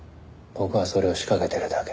僕はそれを仕掛けてるだけ。